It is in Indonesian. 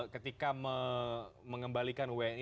ketika mengembalikan wni